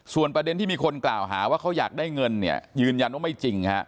ส่วนประเด็นที่มีคนกล่าวหาว่าเขาอยากได้เงินเนี่ยยืนยันว่าไม่จริงฮะ